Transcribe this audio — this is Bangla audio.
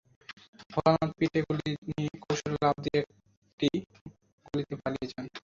ভোলানাথ পিঠে গুলি নিয়ে কৌশলে লাফ দিয়ে একটি গলিতে পালিয়ে যান।